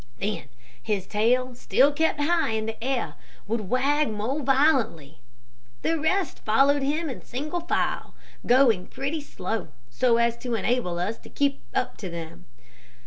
Then his tail, still kept high in the air, would wag more violently. The rest followed him in single file, going pretty slow, so as to enable us to keep up to them.